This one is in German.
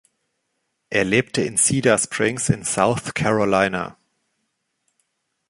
Er lebte in Cedar Springs in South Carolina.